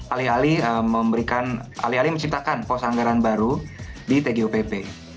alih alih memberikan alih alih menciptakan pos anggaran baru di tgupp